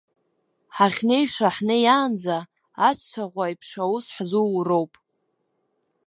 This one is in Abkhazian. Ҳахьнеиша ҳнеиаанӡа, ацә-цәаӷәа аиԥш аус ҳзууроуп.